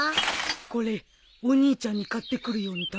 これお兄ちゃんに買ってくるように頼まれたから。